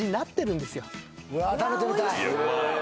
うわ食べてみたい。